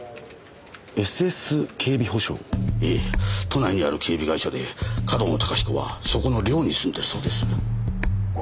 都内にある警備会社で上遠野隆彦はそこの寮に住んでるそうです。